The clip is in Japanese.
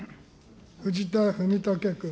藤田文武君。